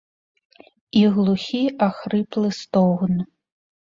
І глухі ахрыплы стогн.